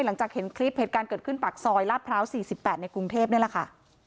หลังจากเห็นคลิปเหตุการณ์เกิดขึ้นปากซอยลาดพร้าว๔๘ในกรุงเทพนี่แหละค่ะ